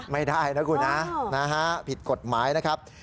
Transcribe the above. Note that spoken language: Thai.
ไม่ได้นะคุณนะผิดกฎหมายนะครับ